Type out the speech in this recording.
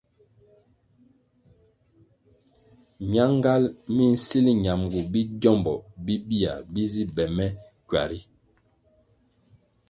Myangal mi nsil ñamgu bi gyómbo bibia bi zi be me kywa ritu.